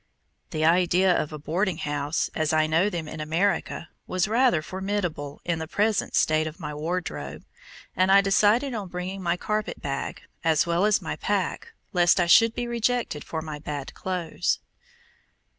The idea of a boarding house, as I know them in America, was rather formidable in the present state of my wardrobe, and I decided on bringing my carpet bag, as well as my pack, lest I should be rejected for my bad clothes.